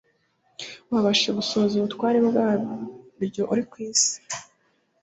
wabasha gusohoza ubutware bwaryo uri ku isi’